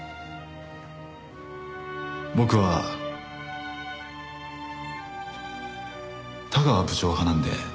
僕は田川部長派なんで。